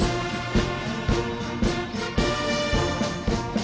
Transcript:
mereka podok galuti yoh